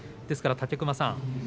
ですから武隈さん